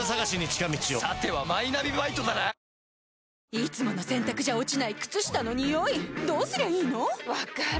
いつもの洗たくじゃ落ちない靴下のニオイどうすりゃいいの⁉分かる。